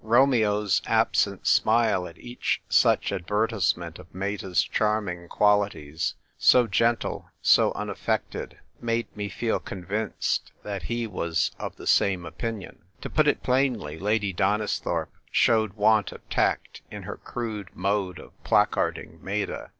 Romeo's absent smile at each such advertisement of Meta's charming quali ties— " so gentle," "so unaffected" — made me feel convinced that he was of the same opinion. To put it plainly, Lady Donisthorpe showed want of tact in her crude mode of placarding Meta.